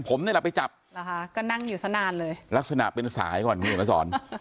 ผมนี่แหละไปจับหรอฮะก็นั่งอยู่สักนานเลยลักษณะเป็นสายก่อน